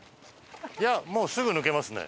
いやもうすぐ抜けますね。